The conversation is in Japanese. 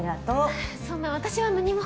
あぁそんな私は何も。